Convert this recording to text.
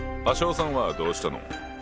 芭蕉さんはどうしたの？